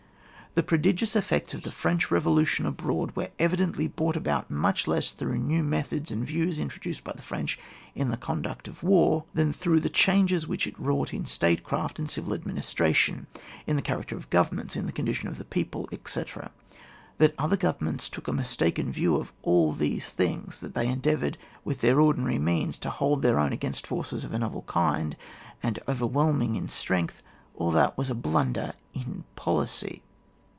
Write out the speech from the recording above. The prodigious effects of the French revolution abroad were evidently brought about much less through new methods and views introduced by the French in the conduct of war than through the changes which it wrought in state craft and civil administration, in the character of governments, in the condition of the people, etc. That other governments took a mistaken view of all these things ; that they endeavoured, with their ordi nary means, to hold their own against forces of a novel kind, and overwhelming in strength ; all that was a blunder in policy.